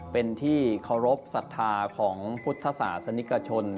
เป็นที่เคารพสัทธาของพุทธศาสนิกชน